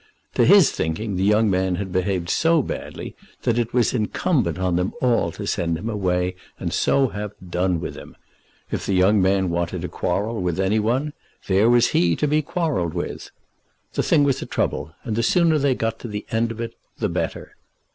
To his thinking the young man had behaved so badly that it was incumbent on them all to send him away and so have done with him. If the young man wanted to quarrel with any one, there was he to be quarrelled with. The thing was a trouble, and the sooner they got to the end of it the better.